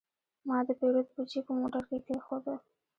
ما د پیرود بوجي په موټر کې کېښوده.